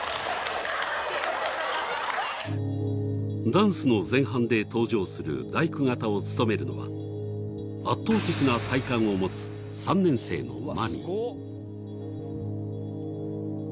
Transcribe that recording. ダンスの前半で登場する大工方を務めるのは圧倒的な体幹を持つ３年生のまみ。